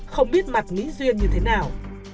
không biết mặt mỹ duyên như thế nào